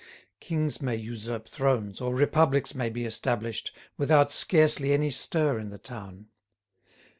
Kings may usurp thrones, or republics may be established, without scarcely any stir in the town.